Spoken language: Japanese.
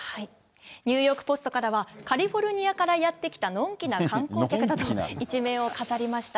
ニューヨークポストからは、カリフォルニアからやって来たのんきな観光客だと、１面を飾りました。